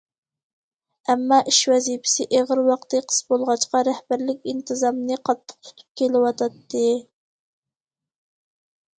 ئەمما ئىش ۋەزىپىسى ئېغىر، ۋاقتى قىس بولغاچقا، رەھبەرلىك ئىنتىزامنى قاتتىق تۇتۇپ كېلىۋاتاتتى.